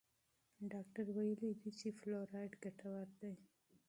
ډاکټر ویلي دي چې فلورایډ ګټور دی.